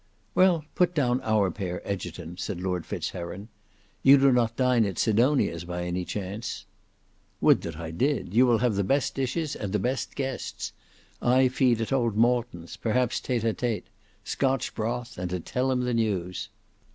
"Well, put down our pair, Egerton," said Lord Fitz Heron. "You do not dine at Sidonia's by any chance?" "Would that I did! You will have the best dishes and the best guests. I feed at old Malton's; perhaps a tete a tete: Scotch broth, and to tell him the news!"